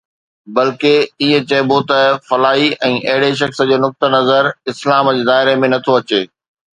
بلڪه ائين چئبو ته فلاڻي ۽ اهڙي شخص جو نقطه نظر اسلام جي دائري ۾ نٿو اچي